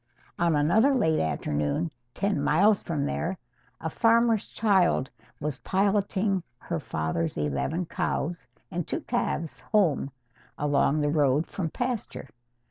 On another late afternoon, ten miles from there, a farmer's child was piloting her father's eleven cows and two calves home along the road from pasture.